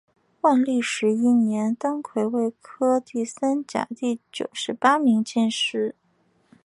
万历十一年登癸未科第三甲第九十八名进士。